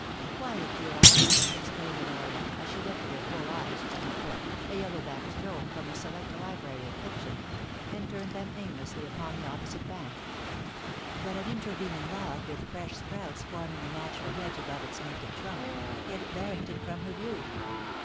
* Quiet, Durra,' exclaimed Honoria, as she lifted her full eyes from her book — a yellow backed tome from the select library of fiction — and turned them aimlessly upon the opposite bank. But an intervening log, with fresh sprouts forming a natural hedge above its naked trunk, hid Barring ton from her view.